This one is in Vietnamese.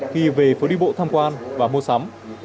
khi về phố đi bộ tham quan và mua sắm